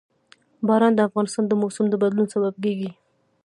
باران د افغانستان د موسم د بدلون سبب کېږي.